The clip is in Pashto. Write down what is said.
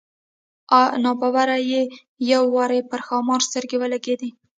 نا ببره یې یو وار پر ښامار سترګې ولګېدې.